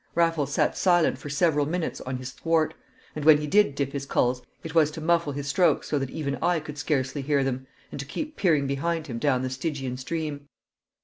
Raffles sat silent for several minutes on his thwart; and when he did dip his sculls it was to muffle his strokes so that even I could scarcely hear them, and to keep peering behind him down the Stygian stream.